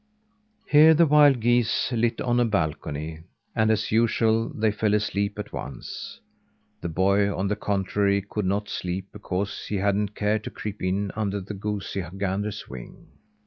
Here the wild geese lit on a balcony, and, as usual, they fell asleep at once. The boy, on the contrary, could not sleep because he hadn't cared to creep in under the goosey gander's wing.